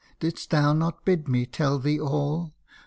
Didst thou not bid me tell thee all